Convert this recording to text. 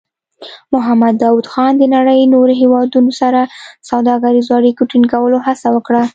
محمد داؤد خان د نړۍ نورو هېوادونو سره سوداګریزو اړیکو ټینګولو هڅه وکړه.